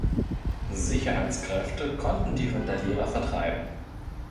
Sicherheitskräfte konnten die Randalierer vertreiben.